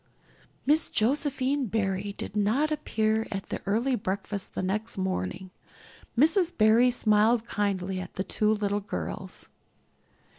Miss Josephine Barry did not appear at the early breakfast the next morning. Mrs. Barry smiled kindly at the two little girls.